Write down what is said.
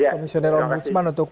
komisioner om busman untuk